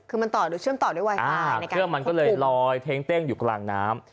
เครื่องมันก็เลยลอยเท้งเต้งอยู่กลางน้ำ